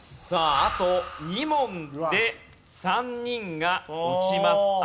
さああと２問で３人が落ちます。